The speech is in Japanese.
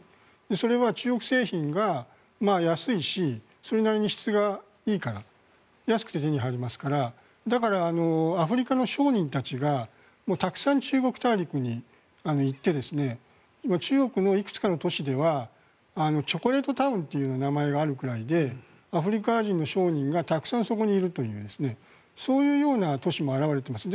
それは中国製品が安いしそれなりに質がいいから。安く手に入りますからアフリカの商人たちがたくさん中国大陸に行って今、中国のいくつかの都市ではチョコレートタウンという名前があるぐらいでアフリカ人の商人がたくさんそこにいるというそういうような都市も現れています。